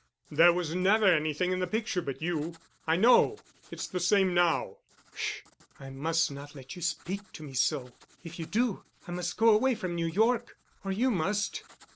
"There was never anything in the picture but you. I know. It's the same now." "Sh—I must not let you speak to me so. If you do, I must go away from New York—or you must."